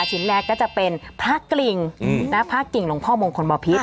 ชิ้นแรกก็จะเป็นพระกริ่งพระกิ่งหลวงพ่อมงคลบพิษ